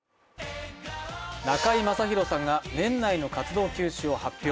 中居正広さんが年内の活動休止を発表。